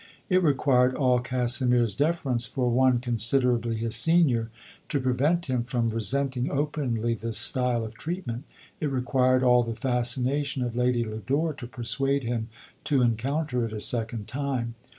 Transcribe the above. It required all Casimir's deference for one considerably his senior, to prevent him from resenting openly this style of treatment ; it re quired all the fascination of Lady Lodore to persuade him to encounter it a second time.